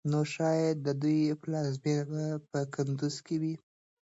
نو شايد د دوی پلازمېنه په کندوز کې وه